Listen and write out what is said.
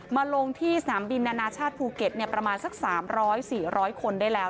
มาลงที่สนามบินนานาชาติภูเก็ตประมาณสัก๓๐๐๔๐๐คนได้แล้ว